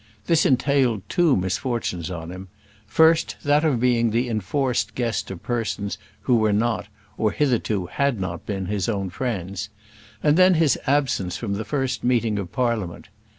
This entailed two misfortunes on him; first that of being the enforced guest of persons who were not, or, hitherto had not been, his own friends, and then his absence from the first meeting of Parliament.